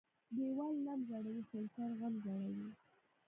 ـ ديوال نم زړوى خو انسان غم زړوى.